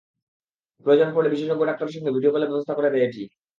প্রয়োজন পড়লে বিশেষজ্ঞ ডাক্তারের সঙ্গে ভিডিও কলের ব্যবস্থা করে দেয় এটি।